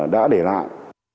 đã để lại